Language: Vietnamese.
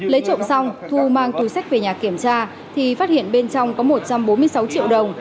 lấy trộm xong thu mang túi sách về nhà kiểm tra thì phát hiện bên trong có một trăm bốn mươi sáu triệu đồng